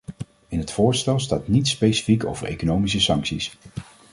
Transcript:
In het voorstel staat niets specifiek over economische sancties.